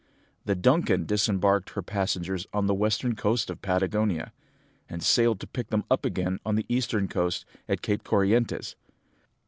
"The Duncan disembarked her passengers on the western coast of Patagonia, and sailed to pick them up again on the eastern coast at Cape Corrientes.